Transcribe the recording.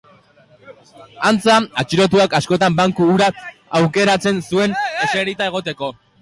Antza, atxilotuak askotan banku hura aukeratzen zuen eserita egoteko.